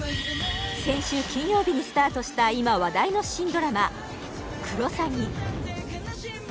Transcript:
先週金曜日にスタートした今話題の新ドラマ「クロサギ」